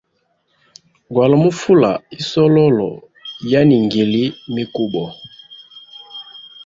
Gwali mu fula isololo ya ningili mikubo.